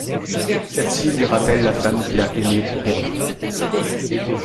Celle-ci lui rappelle la femme qu’il a aimée et perdue.